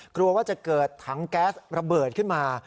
กลัวว่าจะเกิดถังแก๊สระเบิดขึ้นมา